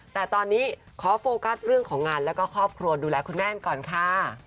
แต่ตอนนี้ขอโฟกัสเรื่องของงานแล้วก็ครอบครัวดูแลคุณแม่ก่อนค่ะ